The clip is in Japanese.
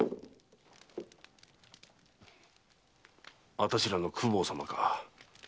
「あたしらの公方様」か。